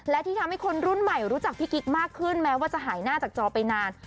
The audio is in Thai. และที่ทำให้คนรุ่นใหม่รู้จักพี่กิ๊กมากขึ้นแม้ว่าจะหายหน้าจากจอไปนาน